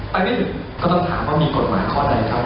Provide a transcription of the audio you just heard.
ไปถึงก็ต้องถามว่ามีกฎหมายข้อใดครับ